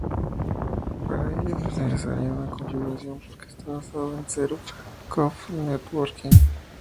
Para todo ello, no es necesaria una configuración porque está basado en zero-conf networking.